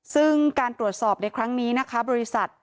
ซึ่งการตรวจสอบในครั้งนี้นะคะบริษัท